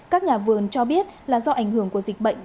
các nhà vườn cho biết là do ảnh hưởng của dịch bệnh